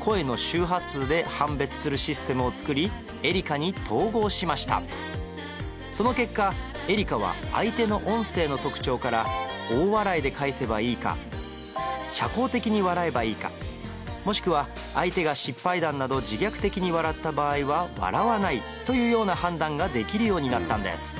声の周波数で判別するシステムを作りＥＲＩＣＡに統合しましたその結果ＥＲＩＣＡは相手の音声の特徴から大笑いで返せばいいか社交的に笑えばいいかもしくは相手が失敗談など自虐的に笑った場合は笑わないというような判断ができるようになったんです